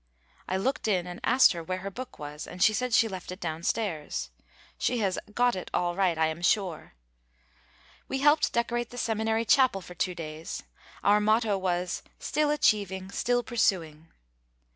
I looked in and asked her where her book was, and she said she left it down stairs. She has "got it" all right, I am sure. We helped decorate the seminary chapel for two days. Our motto was, "Still achieving, still pursuing."